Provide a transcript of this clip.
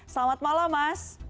selamat malam mas